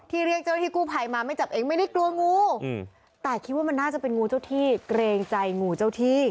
เรียกเจ้าหน้าที่กู้ภัยมาไม่จับเองไม่ได้กลัวงูแต่คิดว่ามันน่าจะเป็นงูเจ้าที่เกรงใจงูเจ้าที่